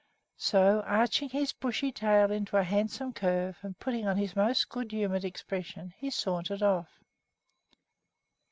So, arching his bushy tail into a handsome curve and putting on his most good humored expression, he sauntered off.